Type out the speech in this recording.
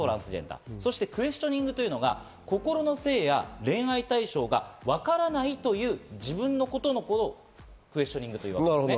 クエスチョニングというのは心の性や恋愛対象が分からないという、自分のことをクエスチョニングというんです。